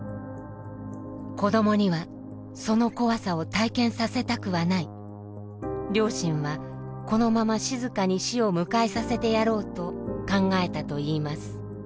子供にはその怖さを体験させたくはない両親はこのまま静かに死を迎えさせてやろうと考えたといいます。